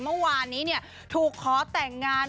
เมื่อวานนี้ถูกขอแต่งงาน